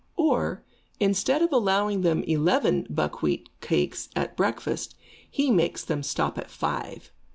Or, instead of allowing them eleven buckwheat cakes at breakfast, he makes them stop at five.